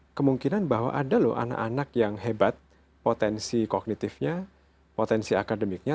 ada kemungkinan bahwa ada loh anak anak yang hebat potensi kognitifnya potensi akademiknya